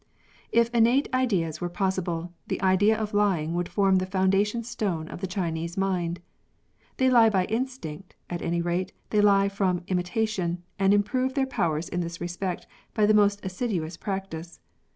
If innate ideas were pos sible, the idea of lying would form the foundation stone of the Chinese mind. They lie by instinct ; at any rate, they lie from imitation, and improve their powers in this respect by the most assiduous practice.